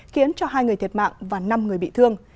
khiến cho hai người thiệt mạng và năm người bị thương